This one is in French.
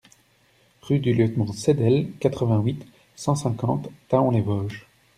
Rue du Lieutenant Seidel, quatre-vingt-huit, cent cinquante Thaon-les-Vosges